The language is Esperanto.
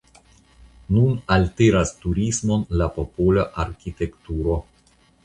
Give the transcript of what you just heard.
Nun altiras turismon la popola arkitekturo.